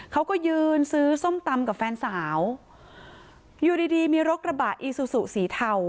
เขาก็ยืนซื้อส้มตำกับแฟนสาวอยู่ดีดีมีรถกระบะอีซูซูสีเทา